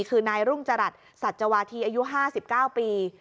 คือนายรุ่งจรรรย์สัตวาทีอายุห้าสิบเก้าปี